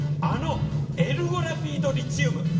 あのエルゴラピード・リチウム。